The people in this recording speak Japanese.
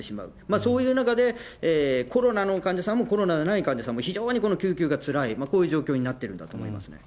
そういう中で、コロナの患者さんもコロナでない患者さんも非常にこの救急がつらい、こういう状況になっているんだと思いますね。